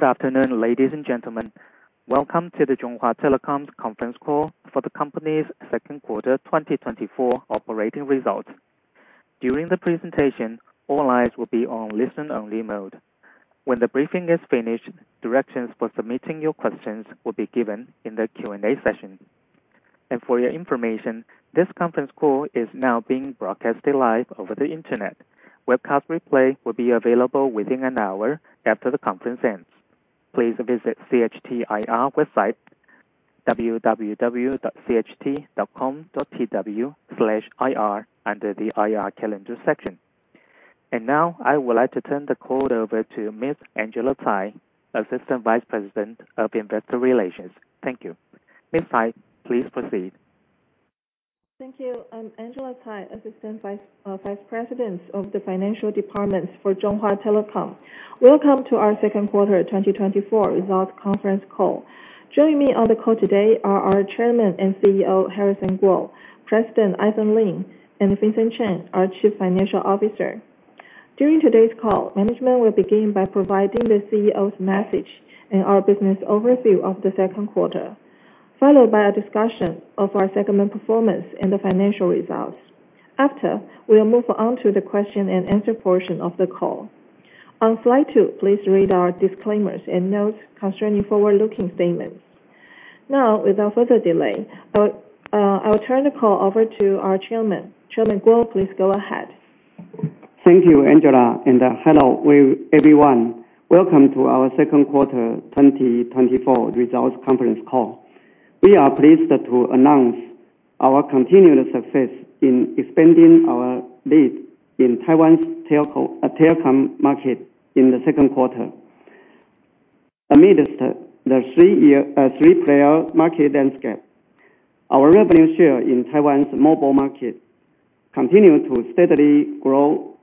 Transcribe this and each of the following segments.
Good afternoon, ladies and gentlemen. Welcome to the Chunghwa Telecom's conference call for the company's second quarter 2024 operating results. During the presentation, all eyes will be on listen-only mode. When the briefing is finished, directions for submitting your questions will be given in the Q&A session. For your information, this conference call is now being broadcast live over the internet. Webcast replay will be available within an hour after the conference ends. Please visit CHT IR website, www.cht.com.tw/ir under the IR calendar section. Now, I would like to turn the call over to Ms. Angela Tsai, Assistant Vice President of Investor Relations. Thank you. Ms. Tsai, please proceed. Thank you. I'm Angela Tsai, Assistant Vice President of the Financial Department for Chunghwa Telecom. Welcome to our Second Quarter 2024 Results Conference Call. Joining me on the call today are our Chairman and CEO, Harrison Kuo, President, Ivan Lin, and Vincent Chen, our Chief Financial Officer. During today's call, management will begin by providing the CEO's message and our business overview of the second quarter, followed by a discussion of our segment performance and the financial results. After, we'll move on to the question-and-answer portion of the call. On slide two, please read our disclaimers and notes concerning forward-looking statements. Now, without further delay, I will turn the call over to our Chairman. Chairman Kuo, please go ahead. Thank you, Angela, and hello everyone. Welcome to our Second Quarter 2024 Results Conference Call. We are pleased to announce our continued success in expanding our lead in Taiwan's telecom market in the second quarter. Amidst the three-player market landscape, our revenue share in Taiwan's mobile market continued to steadily grow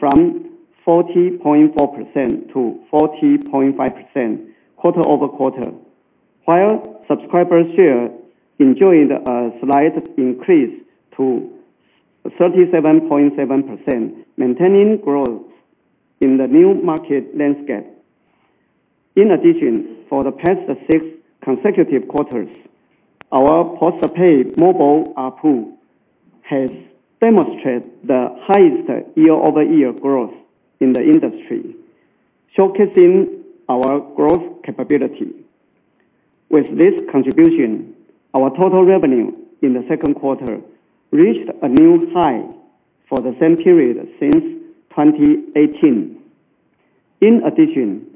from 40.4%-40.5% quarter-over-quarter, while subscriber share enjoyed a slight increase to 37.7%, maintaining growth in the new market landscape. In addition, for the past six consecutive quarters, our postpaid mobile app has demonstrated the highest year-over-year growth in the industry, showcasing our growth capability. With this contribution, our total revenue in the second quarter reached a new high for the same period since 2018. In addition,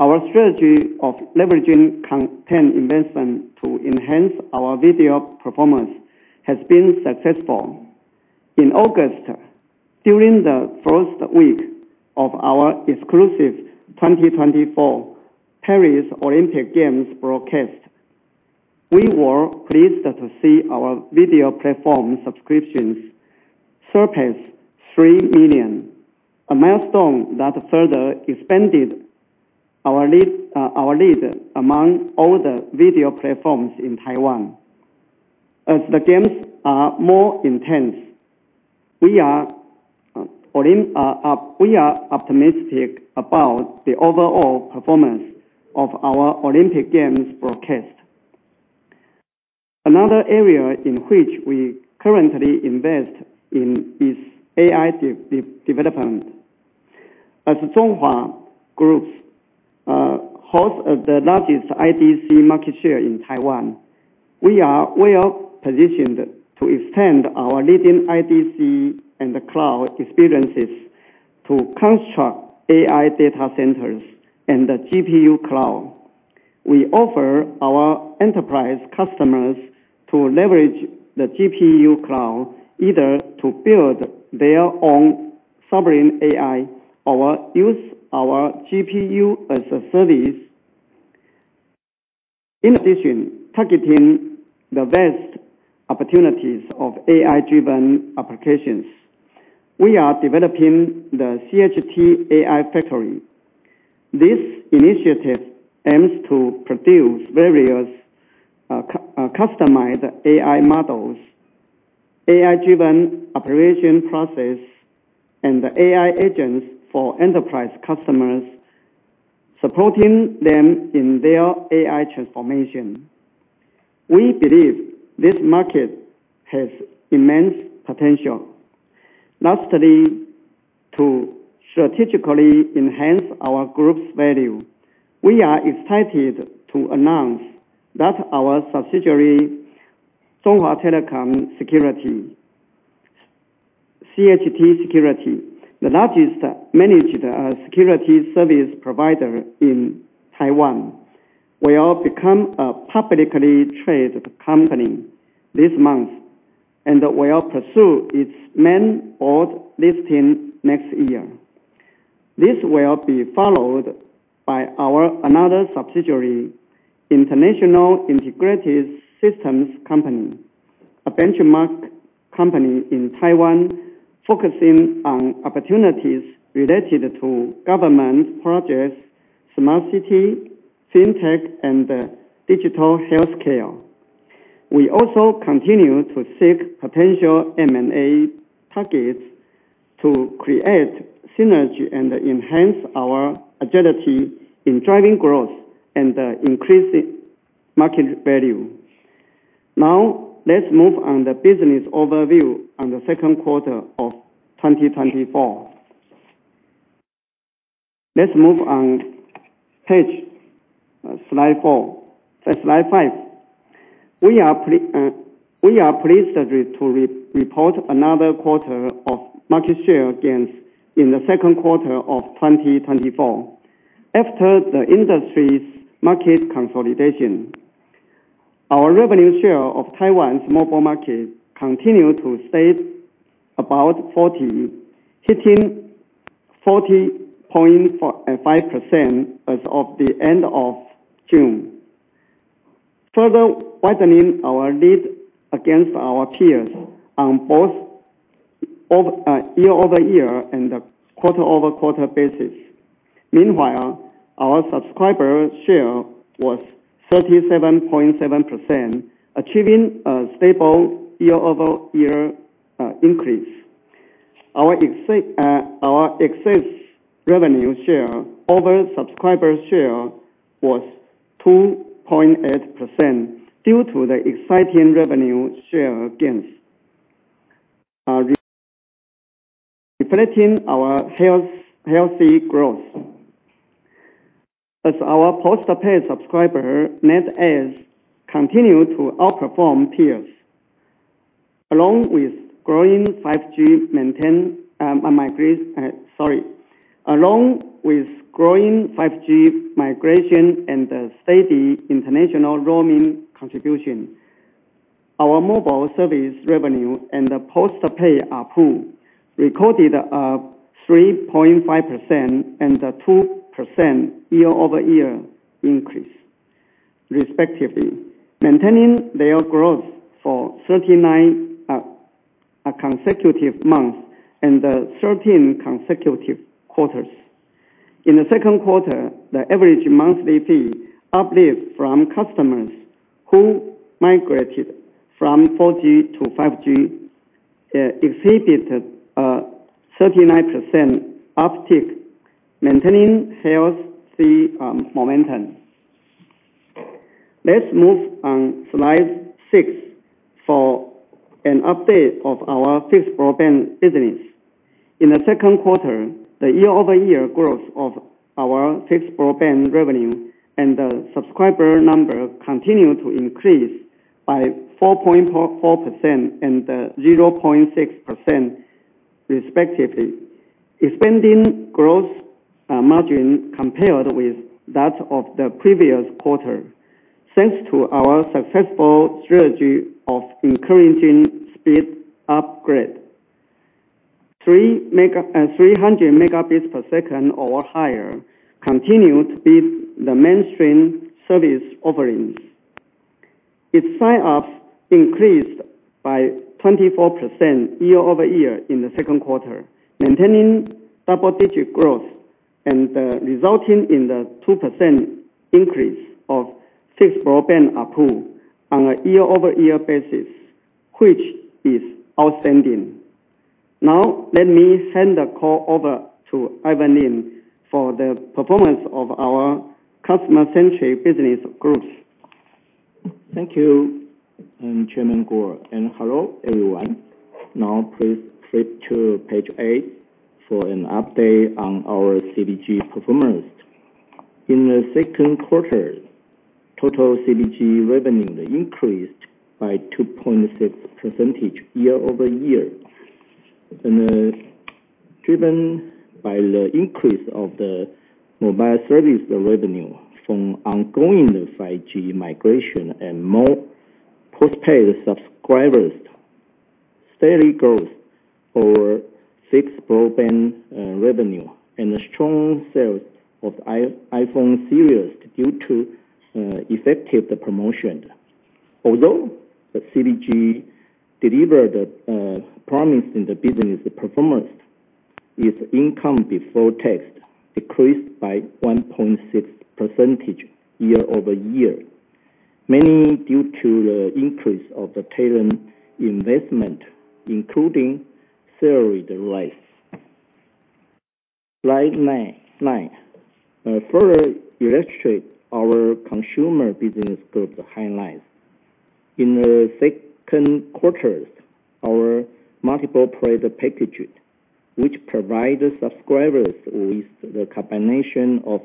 our strategy of leveraging content investment to enhance our video performance has been successful. In August, during the first week of our exclusive 2024 Paris Olympic Games broadcast, we were pleased to see our video platform subscriptions surpass 3 million, a milestone that further expanded our lead among all the video platforms in Taiwan. As the games are more intense, we are optimistic about the overall performance of our Olympic Games broadcast. Another area in which we currently invest in is AI development. As Chunghwa Group holds the largest IDC market share in Taiwan, we are well positioned to extend our leading IDC and cloud experiences to construct AI data centers and the GPU cloud. We offer our enterprise customers to leverage the GPU cloud either to build their own sovereign AI or use our GPU as a service. In addition, targeting the best opportunities of AI-driven applications, we are developing the CHT AI Factory. This initiative aims to produce various customized AI models, AI-driven operation processes, and AI agents for enterprise customers, supporting them in their AI transformation. We believe this market has immense potential. Lastly, to strategically enhance our group's value, we are excited to announce that our subsidiary, Chunghwa Telecom Security, CHT Security, the largest managed security service provider in Taiwan, will become a publicly traded company this month and will pursue its main board listing next year. This will be followed by our another subsidiary, International Integrated Systems Company, a benchmark company in Taiwan focusing on opportunities related to government projects, smart city, fintech, and digital healthcare. We also continue to seek potential M&A targets to create synergy and enhance our agility in driving growth and increasing market value. Now, let's move on the business overview on the second quarter of 2024. Let's move on to slide four. Slide five. We are pleased to report another quarter of market share gains in the second quarter of 2024. After the industry's market consolidation, our revenue share of Taiwan's mobile market continued to stay about 40%, hitting 40.5% as of the end of June, further widening our lead against our peers on both year-over-year and quarter-over-quarter basis. Meanwhile, our subscriber share was 37.7%, achieving a stable year-over-year increase. Our excess revenue share over subscriber share was 2.8% due to the exciting revenue share gains, reflecting our healthy growth. As our postpaid subscriber net adds continue to outperform peers, along with growing 5G migration and the steady international roaming contribution, our mobile service revenue and postpaid ARPU recorded a 3.5% and 2% year-over-year increase, respectively, maintaining their growth for 39 consecutive months and 13 consecutive quarters. In the second quarter, the average monthly fee uplift from customers who migrated from 4G to 5G exhibited a 39% uptick, maintaining healthy momentum. Let's move on to slide six for an update of our fixed broadband business. In the second quarter, the year-over-year growth of our fixed broadband revenue and the subscriber number continued to increase by 4.4% and 0.6%, respectively, expanding growth margin compared with that of the previous quarter thanks to our successful strategy of encouraging speed upgrade. 300 Mbps or higher continued to be the mainstream service offerings. Its sign-ups increased by 24% year-over-year in the second quarter, maintaining double-digit growth and resulting in the 2% increase of fixed broadband ARPU on a year-over-year basis, which is outstanding. Now, let me hand the call over to Ivan Lin for the performance of our customer-centric business groups. Thank you, Chairman Kuo. Hello everyone. Now, please flip to page eight for an update on our CBG performance. In the second quarter, total CBG revenue increased by 2.6% year-over-year, driven by the increase of the mobile service revenue from ongoing 5G migration and more postpaid subscribers, steady growth over fixed broadband revenue, and strong sales of iPhone series due to effective promotion. Although CBG delivered promise in the business performance, its income before tax decreased by 1.6% year-over-year, mainly due to the increase of the talent investment, including salary rise. Slide nine. Further illustrate our consumer business group's highlights. In the second quarter, our multiple-price packages, which provide subscribers. Is the combination of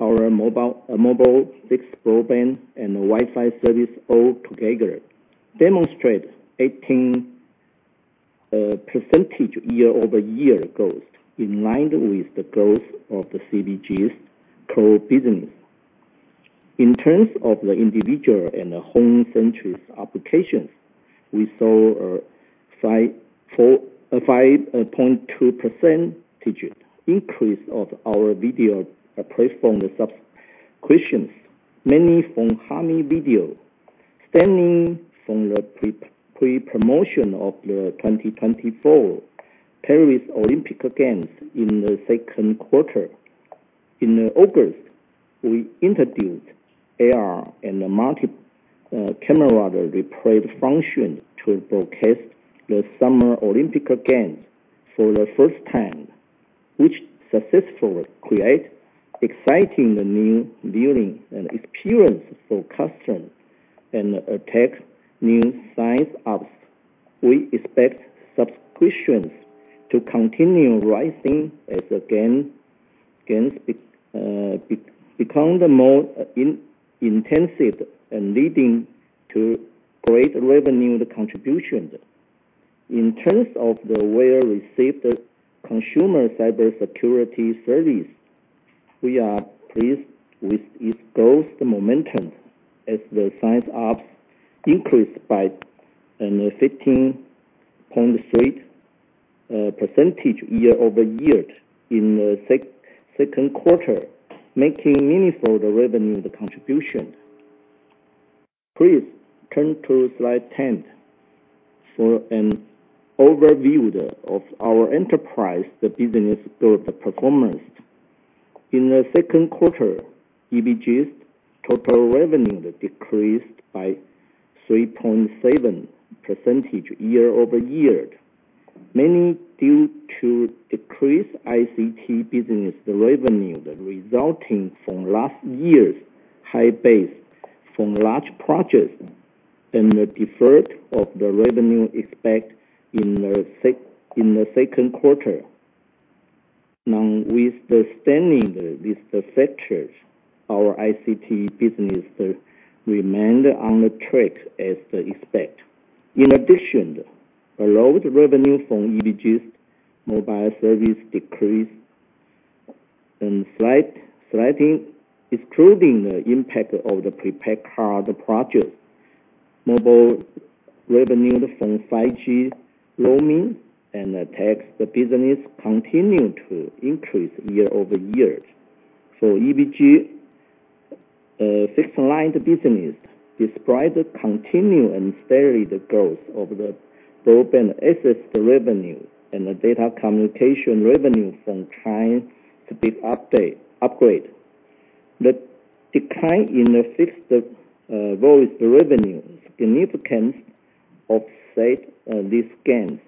our mobile fixed broadband and Wi-Fi service all together demonstrate 18% year-over-year growth in line with the growth of the CBG's core business. In terms of the individual and home-centric applications, we saw a 5.2% increase of our video platform subscriptions, mainly from Hami Video, stemming from the pre-promotion of the 2024 Paris Olympic Games in the second quarter. In August, we introduced AR and multi-camera replay function to broadcast the summer Olympic Games for the first time, which successfully created exciting new viewing experiences for customers and attracted new subscribers. We expect subscriptions to continue rising as the games become more intensive and leading to great revenue contributions. In terms of the well-received consumer cybersecurity service, we are pleased with its growth momentum as the subscribers increased by 15.3% year-over-year in the second quarter, making meaningful revenue contributions. Please turn to slide 10 for an overview of our enterprise business group performance. In the second quarter, CBG's total revenue decreased by 3.7% year-over-year, mainly due to decreased ICT business revenue resulting from last year's high base from large projects and the deferral of the revenue expected in the second quarter. Now, notwithstanding the list of factors, our ICT business remained on track as expected. In addition, the mobile revenue from CBG's mobile service decreased, excluding the impact of the prepaid card projects. Mobile revenue from 5G roaming and data business continued to increase year-over-year. For CBG, fixed line business despite the continued and steady growth of the broadband access revenue and data communication revenue from 5G big upgrade, the decline in the fixed voice revenue significantly offset these gains.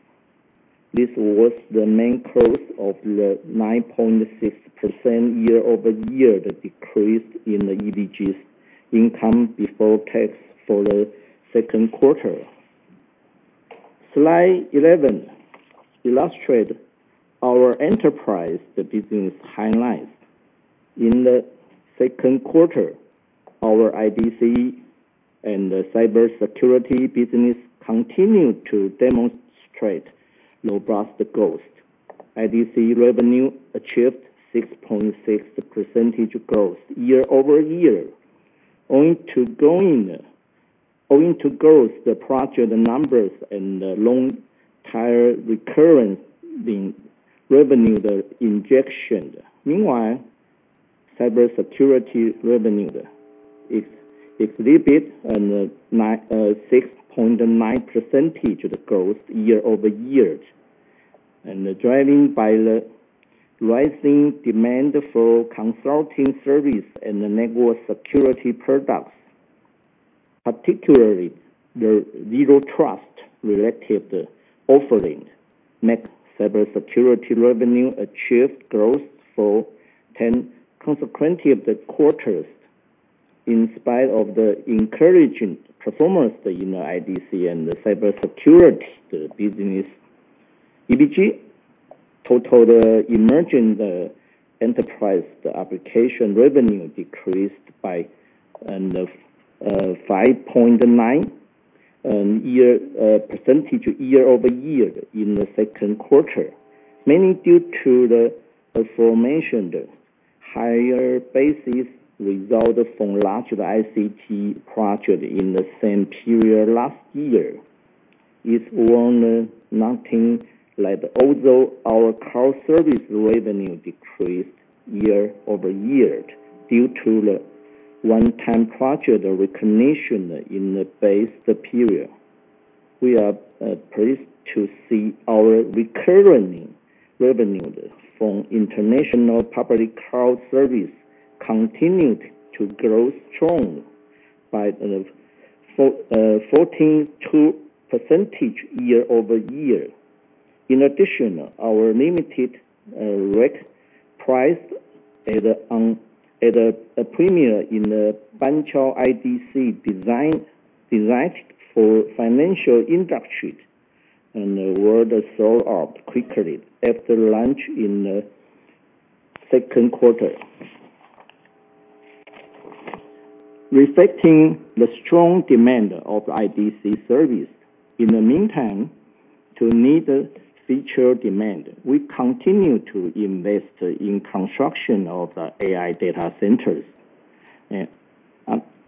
This was the main cause of the 9.6% year-over-year decrease in CBG's income before tax for the second quarter. Slide 11 illustrates our enterprise business highlights. In the second quarter, our IDC and cybersecurity business continued to demonstrate robust growth. IDC revenue achieved 6.6% growth year-over-year, owing to growth project numbers and long-term recurrent revenue injection. Meanwhile, cybersecurity revenue exhibited a 6.9% growth year-over-year, driven by the rising demand for consulting service and network security products, particularly the Zero Trust related offerings. Cybersecurity revenue achieved growth for 10 consecutive quarters. In spite of the encouraging performance in IDC and cybersecurity business, CBG total emerging enterprise application revenue decreased by 5.9% year-over-year in the second quarter, mainly due to the aforementioned higher basis result from large ICT projects in the same period last year. It's worth noting that although our cloud service revenue decreased year-over-year due to the one-time project recognition in the base period. We are pleased to see our recurring revenue from international public cloud service continued to grow strong by 14.2% year-over-year. In addition, our limited racks priced at a premium in the Banqiao IDC designed for financial industries and was sold out quickly after launch in the second quarter. Reflecting the strong demand of IDC service, in the meantime, to meet future demand, we continue to invest in construction of AI data centers,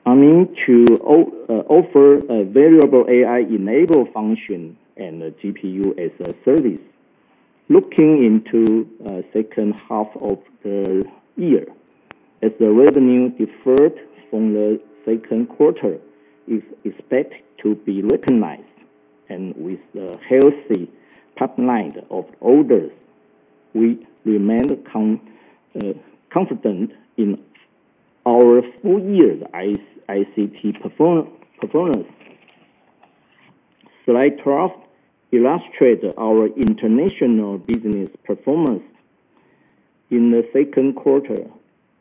aiming to offer various AI-enabled functions and GPU as a service. Looking into the second half of the year, as the revenue deferred from the second quarter is expected to be recognized and with a healthy pipeline of orders, we remain confident in our full-year ICT performance. Slide 12 illustrates our international business performance. In the second quarter,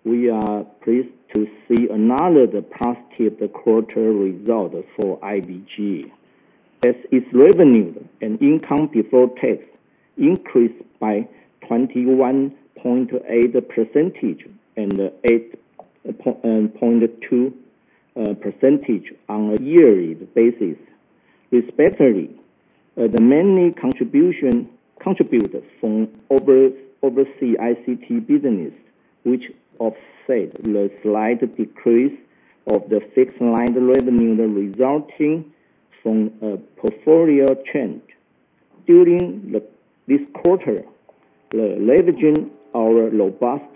we are pleased to see another positive quarter result for IBG, as its revenue and income before tax increased by 21.8% and 8.2% on a yearly basis. Respectively, the mainly contributed from overseas ICT business, which offset the slight decrease of the fixed line revenue resulting from portfolio change. During this quarter, leveraging our robust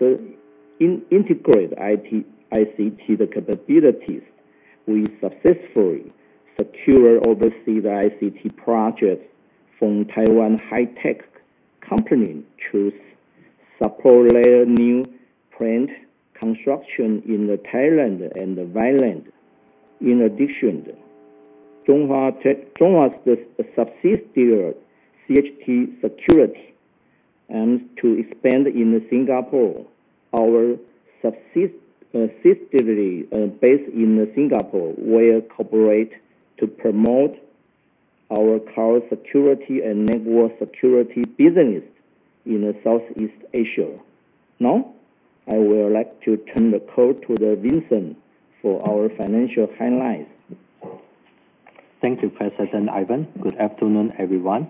integrated ICT capabilities, we successfully secured overseas ICT projects from Taiwan high-tech companies to support their new plant construction in Thailand and the U.S. In addition, Chunghwa's subsidiary CHT Security aimed to expand in Singapore. Our subsidiary based in Singapore will cooperate to promote our cloud security and network security business in Southeast Asia. Now, I would like to turn the call to Vincent for our financial highlights. Thank you, President Ivan. Good afternoon, everyone.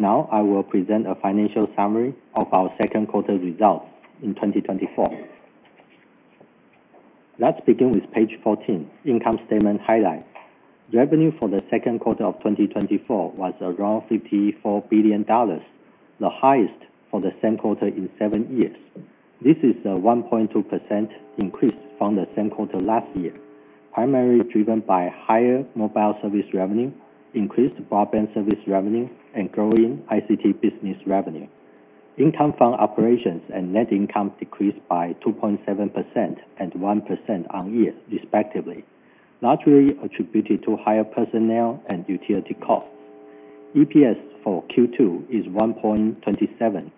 Now, I will present a financial summary of our second quarter results in 2024. Let's begin with page 14, income statement highlights. Revenue for the second quarter of 2024 was around 54 billion dollars, the highest for the same quarter in seven years. This is a 1.2% increase from the same quarter last year, primarily driven by higher mobile service revenue, increased broadband service revenue, and growing ICT business revenue. Income from operations and net income decreased by 2.7% and 1% on year, respectively, largely attributed to higher personnel and utility costs. EPS for Q2 is 1.27.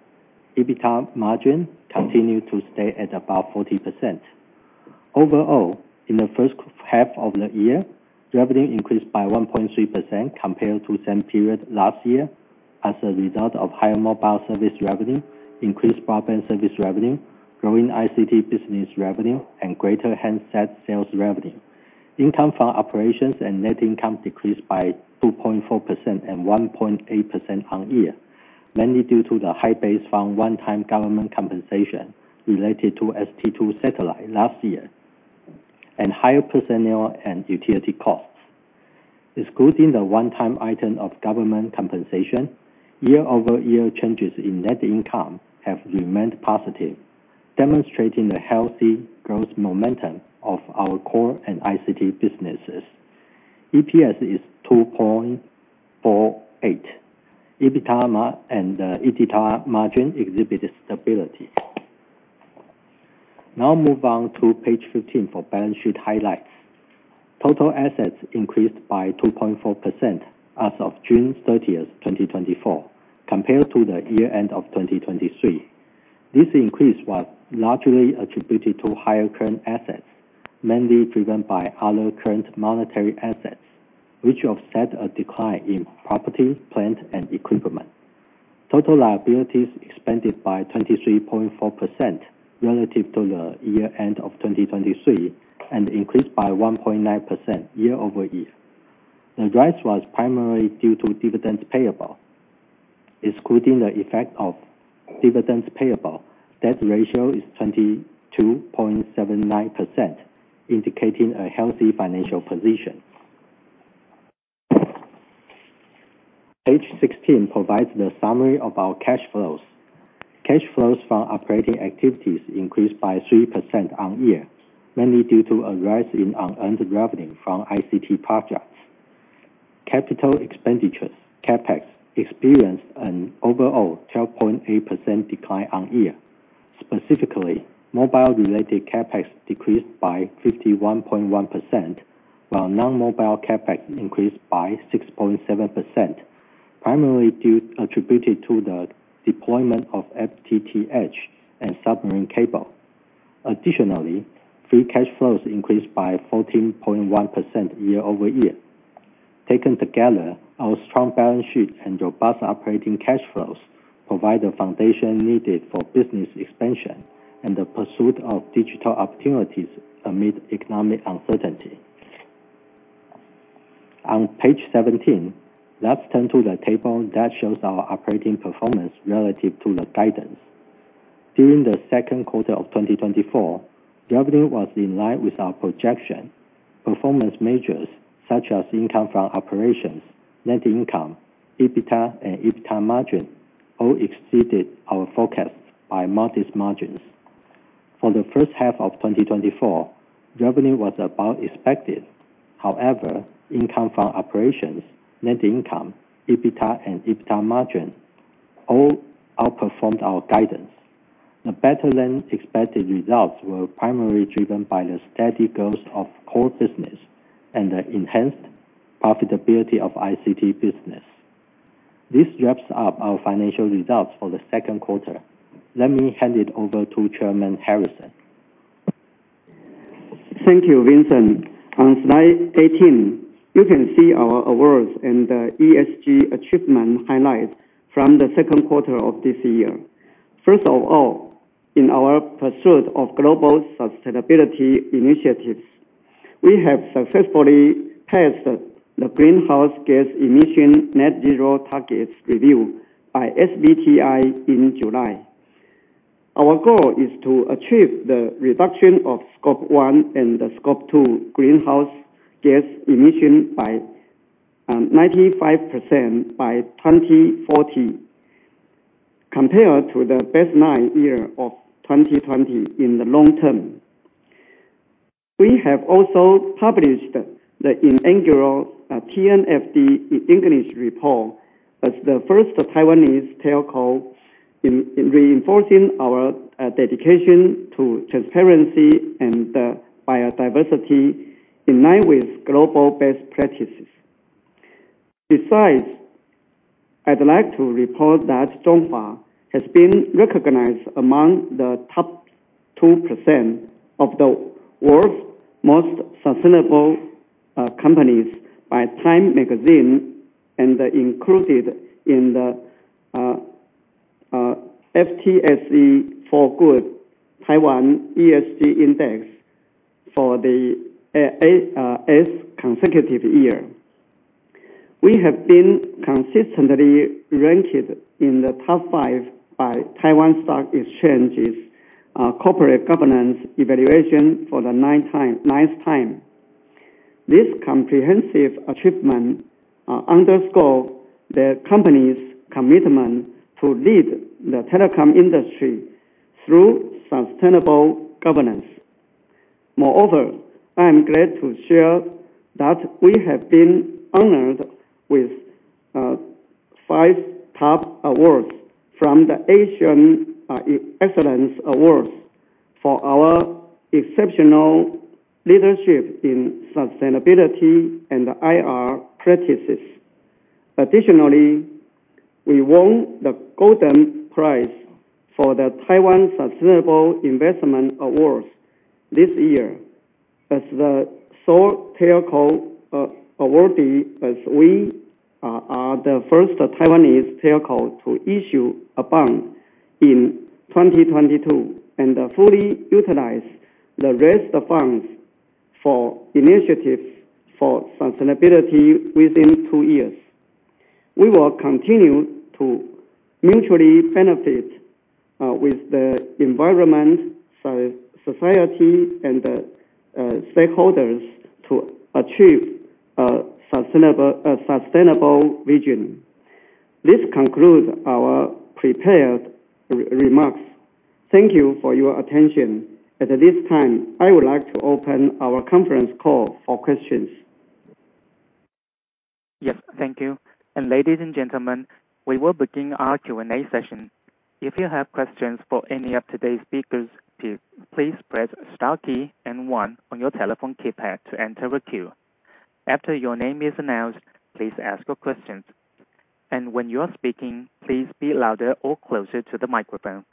EBITDA margin continued to stay at about 40%. Overall, in the first half of the year, revenue increased by 1.3% compared to the same period last year as a result of higher mobile service revenue, increased broadband service revenue, growing ICT business revenue, and greater handset sales revenue. Income from operations and net income decreased by 2.4% and 1.8% on year, mainly due to the high base from one-time government compensation related to ST-2 satellite last year and higher personnel and utility costs. Excluding the one-time item of government compensation, year-over-year changes in net income have remained positive, demonstrating the healthy growth momentum of our core and ICT businesses. EPS is 2.48. EBITDA and EBITDA margin exhibit stability. Now, move on to page 15 for balance sheet highlights. Total assets increased by 2.4% as of June 30th, 2024, compared to the year-end of 2023. This increase was largely attributed to higher current assets, mainly driven by other current monetary assets, which offset a decline in property, plant, and equipment. Total liabilities expanded by 23.4% relative to the year-end of 2023 and increased by 1.9% year-over-year. The rise was primarily due to dividends payable. Excluding the effect of dividends payable, debt ratio is 22.79%, indicating a healthy financial position. Page 16 provides the summary of our cash flows. Cash flows from operating activities increased by 3% on year, mainly due to a rise in unearned revenue from ICT projects. Capital expenditures, CapEx, experienced an overall 12.8% decline on year. Specifically, mobile-related CapEx decreased by 51.1%, while non-mobile CapEx increased by 6.7%, primarily attributed to the deployment of FTTH and submarine cable. Additionally, free cash flows increased by 14.1% year-over-year. Taken together, our strong balance sheet and robust operating cash flows provide the foundation needed for business expansion and the pursuit of digital opportunities amid economic uncertainty. On page 17, let's turn to the table that shows our operating performance relative to the guidance. During the second quarter of 2024, revenue was in line with our projection. Performance measures such as income from operations, net income, EBITDA, and EBITDA margin all exceeded our forecast by modest margins. For the first half of 2024, revenue was above expected. However, income from operations, net income, EBITDA, and EBITDA margin all outperformed our guidance. The better-than-expected results were primarily driven by the steady growth of core business and the enhanced profitability of ICT business. This wraps up our financial results for the second quarter. Let me hand it over to Chairman Harrison. Thank you, Vincent. On slide 18, you can see our awards and the ESG achievement highlights from the second quarter of this year. First of all, in our pursuit of global sustainability initiatives, we have successfully passed the greenhouse gas emission net-zero targets review by SBTi in July. Our goal is to achieve the reduction of Scope 1 and Scope 2 greenhouse gas emission by 95% by 2040, compared to the baseline year of 2020 in the long term. We have also published the inaugural TNFD English report as the first Taiwanese telco in reinforcing our dedication to transparency and biodiversity in line with global best practices. Besides, I'd like to report that Chunghwa has been recognized among the top 2% of the world's most sustainable companies by Time Magazine and included in the FTSE4Good Taiwan ESG Index for the eighth consecutive year. We have been consistently ranked in the top five by Taiwan Stock Exchange's corporate governance evaluation for the ninth time. This comprehensive achievement underscores the company's commitment to lead the telecom industry through sustainable governance. Moreover, I am glad to share that we have been honored with five top awards from the Asian Excellence Awards for our exceptional leadership in sustainability and IR practices. Additionally, we won the Golden Prize for the Taiwan Sustainable Investment Awards this year as the sole telco awardee, as we are the first Taiwanese telco to issue a bond in 2022 and fully utilize the raised funds for initiatives for sustainability within two years. We will continue to mutually benefit with the environment, society, and stakeholders to achieve a sustainable vision. This concludes our prepared remarks. Thank you for your attention. At this time, I would like to open our conference call for questions. Yes, thank you. And ladies and gentlemen, we will begin our Q&A session. If you have questions for any of today's speakers, please press star key and one on your telephone keypad to enter a queue. After your name is announced, please ask your questions. And when you are speaking, please be louder or closer to the microphone.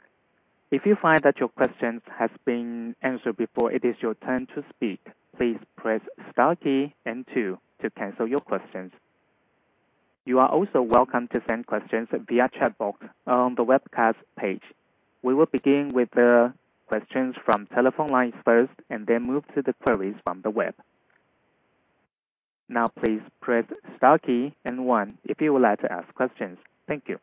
If you find that your question has been answered before, it is your turn to speak. Please press star key and two to cancel your questions. You are also welcome to send questions via chat box on the webcast page. We will begin with the questions from telephone lines first and then move to the queries from the web. Now, please press star key and one if you would like to ask questions. Thank you.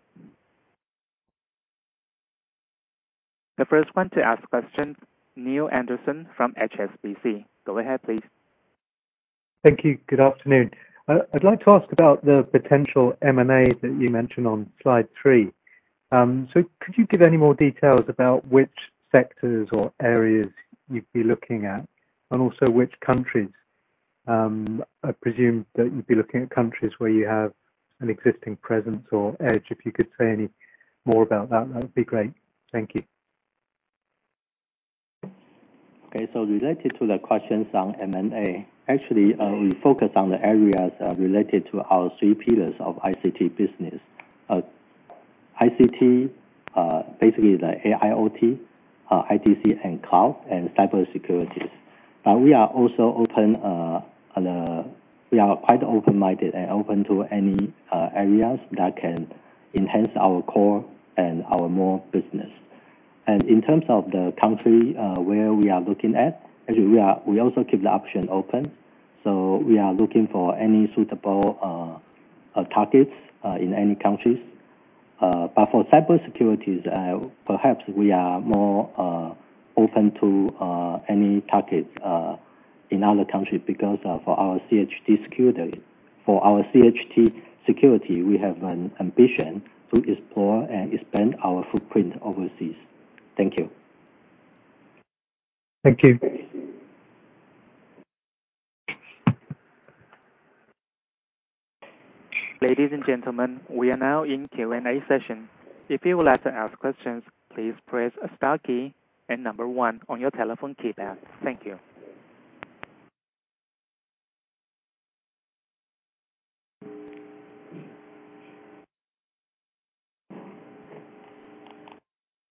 The first one to ask a question, Neale Anderson from HSBC. Go ahead, please. Thank you. Good afternoon. I'd like to ask about the potential M&A that you mentioned on slide three. So could you give any more details about which sectors or areas you'd be looking at, and also which countries? I presume that you'd be looking at countries where you have an existing presence or edge. If you could say any more about that, that would be great. Thank you. Okay. So related to the questions on M&A, actually, we focus on the areas related to our three pillars of ICT business: ICT, basically the AIoT, IDC, and cloud, and cybersecurity. But we are also open; we are quite open-minded and open to any areas that can enhance our core and our more business. And in terms of the country where we are looking at, actually, we also keep the option open. So we are looking for any suitable targets in any countries. But for cybersecurity, perhaps we are more open to any targets in other countries because for our CHT Security, we have an ambition to explore and expand our footprint overseas. Thank you. Thank you. Ladies and gentlemen, we are now in Q&A session. If you would like to ask questions, please press star key and number one on your telephone keypad. Thank you.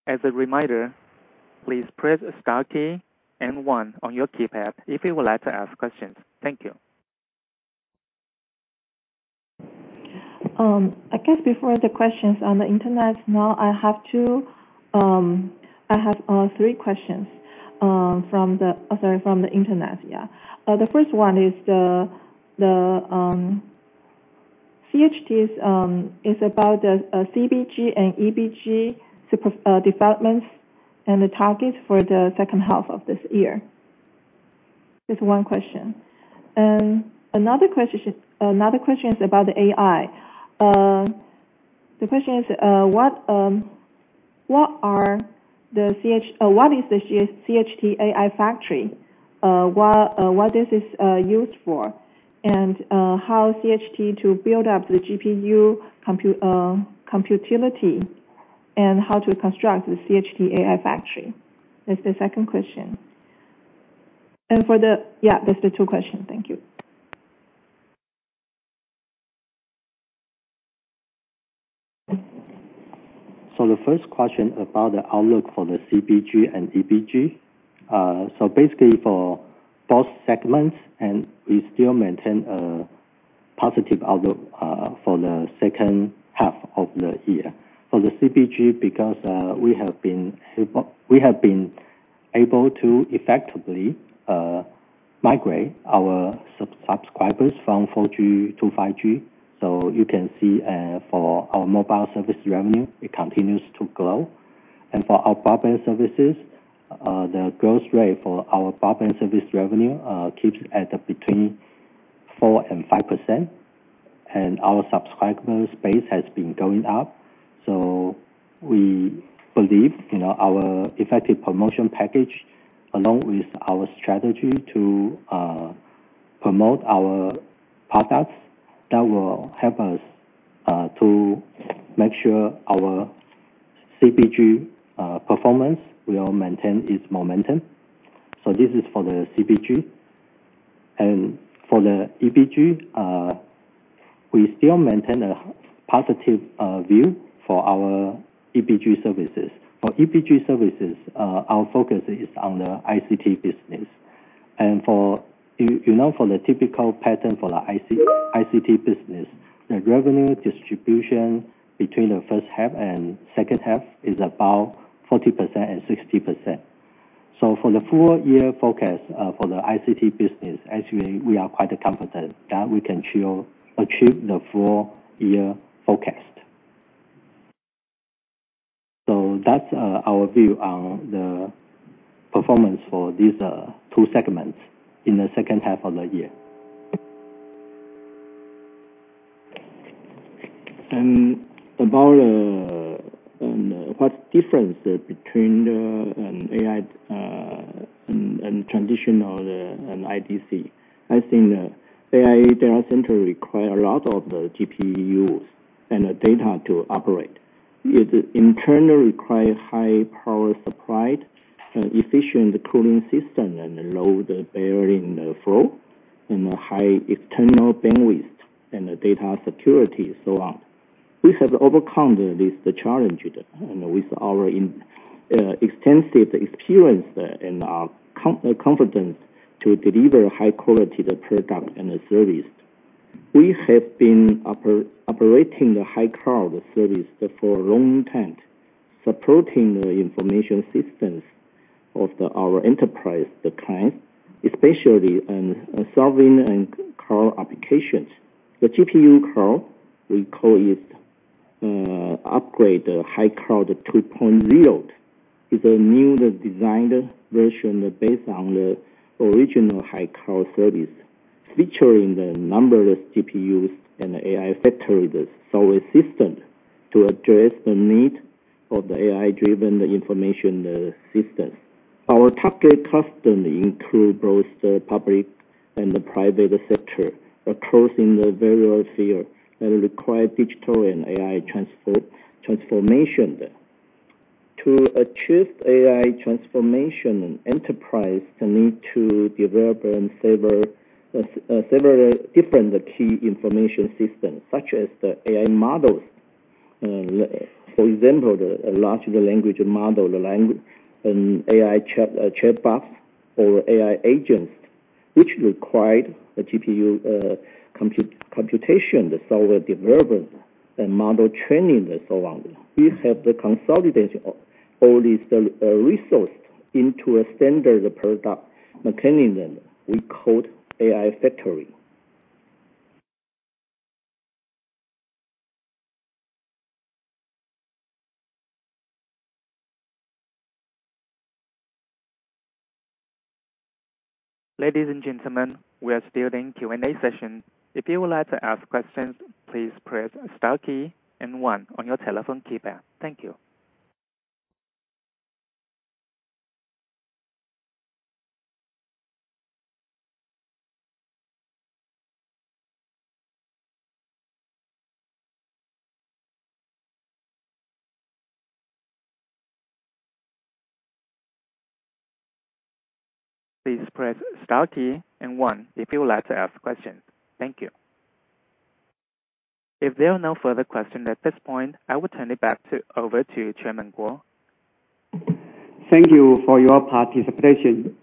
As a reminder, please press star key and one on your keypad if you would like to ask questions. Thank you. I guess before the questions on the internet, now I have three questions from the, sorry, from the internet, yeah. The first one is the CHT is about the CBG and EBG developments and the targets for the second half of this year. That's one question. And another question is about the AI. The question is, what is the CHT AI Factory? What is this used for? And how CHT to build up the GPU computability and how to construct the CHT AI Factory? That's the second question. Yeah, that's the two questions. Thank you. So the first question about the outlook for the CBG and EBG. So basically, for both segments, we still maintain a positive outlook for the second half of the year. For the CBG, because we have been able to effectively migrate our subscribers from 4G to 5G, so you can see for our mobile service revenue, it continues to grow. And for our broadband services, the growth rate for our broadband service revenue keeps at between 4% and 5%. And our subscriber space has been going up. So we believe our effective promotion package, along with our strategy to promote our products, that will help us to make sure our CBG performance will maintain its momentum. So this is for the CBG. And for the EBG, we still maintain a positive view for our EBG services. For EBG services, our focus is on the ICT business. For the typical pattern for the ICT business, the revenue distribution between the first half and second half is about 40% and 60%. For the four-year forecast for the ICT business, actually, we are quite confident that we can achieve the four-year forecast. That's our view on the performance for these two segments in the second half of the year. About what's the difference between AI and traditional IDC? I think AI data center requires a lot of GPUs and data to operate. It internally requires high-power supply, efficient cooling system, and low-latency flow, and high external bandwidth, and data security, and so on. We have overcome these challenges with our extensive experience and our confidence to deliver high-quality products and services. We have been operating the hicloud service for a long time, supporting the information systems of our enterprise clients, especially solving cloud applications. The GPU cloud, we call it Upgrade Hicloud 2.0, is a newly designed version based on the original high-cloud service, featuring the numerous GPUs and AI factories that solve systems to address the need of the AI-driven information systems. Our target customers include both the public and the private sector, across various spheres, and require digital and AI transformation. To achieve AI transformation, enterprises need to develop several different key information systems, such as the AI models. For example, the large language model, the AI chatbots, or AI agents, which require GPU computation, the software development, and model training, and so on. We have consolidated all these resources into a standard product mechanism we call AI factory. Ladies and gentlemen, we are still in Q&A session. If you would like to ask questions, please press star key and one on your telephone keypad. Thank you. Please press star key and one if you would like to ask questions. Thank you. If there are no further questions at this point, I will turn it back over to Chairman Kuo. Thank you for your participation.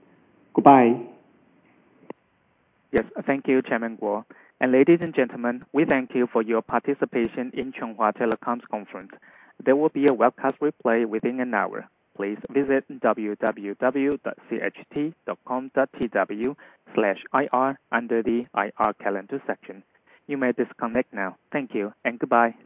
Goodbye. Yes, thank you, Chairman Kuo. Ladies and gentlemen, we thank you for your participation in Chunghwa Telecom's Conference. There will be a webcast replay within an hour. Please visit www.cht.com.tw/ir under the IR calendar section. You may disconnect now. Thank you and goodbye.